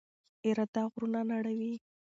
اراده غرونه نړوي.